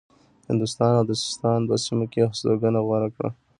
هندوستان او د سیستان په سیمو کې هستوګنه غوره کړه.